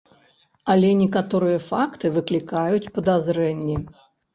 Але некаторыя факты выклікаюць падазрэнні.